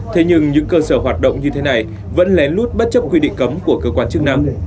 thế nhưng những cơ sở hoạt động như thế này vẫn lén lút bất chấp quy định cấm của cơ quan chức năng